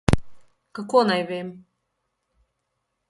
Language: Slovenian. Kako naj vem?